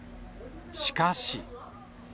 しかし。